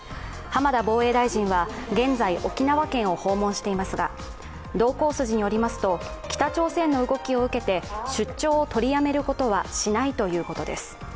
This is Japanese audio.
浜田防衛大臣は現在沖縄県を訪問していますが、同行筋によりますと北朝鮮の動きを受けて出張を取りやめることはしないということです。